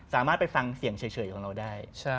สามารถไปฟังเสียงเฉยของเราได้